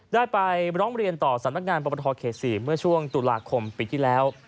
ได้ไปร้องเรียนต่อสำนักงานปรปทเขต๔เมื่อช่วงตุลาคมปีที่แล้ว